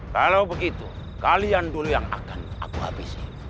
kalau begitu kalian dulu yang akan aku habisin